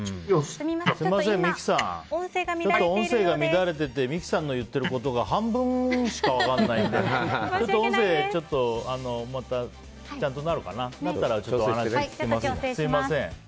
すみません、音声が乱れてて三木さんの言っていることが半分しか分からないのでちょっと音声ちゃんとなったらお話聞きます、すみません。